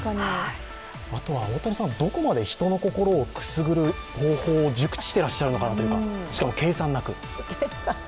あとは大谷さん、どこまで人の心をくすぐる方法を熟知してらっしゃるのかなとしかも計算なく。